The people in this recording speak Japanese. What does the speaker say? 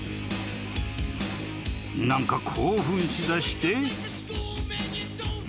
［何か興奮しだして］